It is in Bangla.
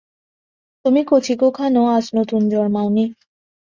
তুমি কচি খোকা নও, আজ নতুন জন্মাও নি।